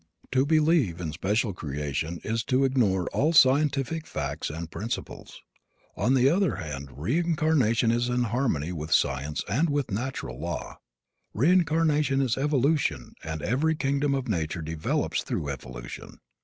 To believe in special creation is to ignore all scientific facts and principles. On the other hand reincarnation is in harmony with science and with natural law. Reincarnation is evolution and every kingdom of nature develops through evolution.